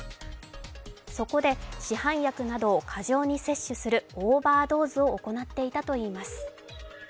そこで市販薬などを過剰に摂取するオーバードーズを行っていたといいます。